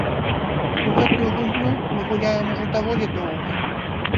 У гэтую гульню мы гуляем ужо даволі доўга.